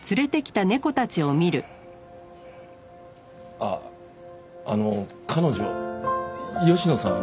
あっあの彼女吉野さん